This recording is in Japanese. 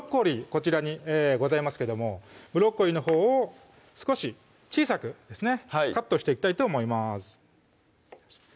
こちらにございますけどもブロッコリーのほうを少し小さくですねカットしていきたいと思います